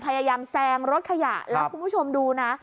พยายามแซงรถขยะแล้วคุณผู้ชมดูนะ